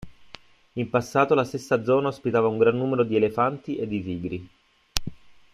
In passato la stessa zona ospitava un gran numero di elefanti e di tigri.